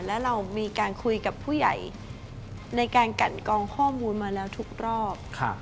แล้วเรามีการคุยกับผู้ใหญ่ในการกันกองข้อมูลมาแล้วทุกรอบ